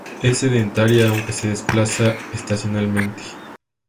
Es sedentaria aunque se desplaza estacionalmente.